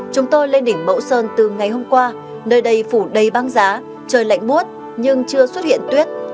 chúng tôi lên đỉnh mẫu sơn từ ngày hôm qua nơi đây phủ đầy băng giá trời lạnh bút nhưng chưa xuất hiện tuyết